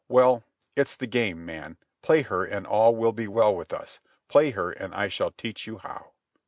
Well, it's the game, man. Play her, and all will be well with us. Play her, and I shall teach you how."